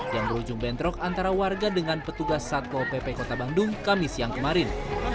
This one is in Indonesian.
yang berujung bentrok antara warga dengan petugas satpo pp kota bandung kamis yang kemarin